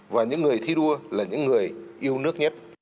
và những người thi đua là những người yêu nước nhất